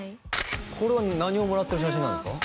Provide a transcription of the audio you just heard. これは何をもらってる写真なんですか？